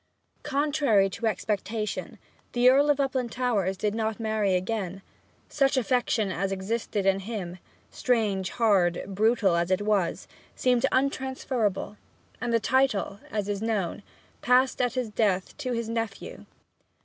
Contrary to expectation, the Earl of Uplandtowers did not marry again. Such affection as existed in him strange, hard, brutal as it was seemed untransferable, and the title, as is known, passed at his death to his nephew.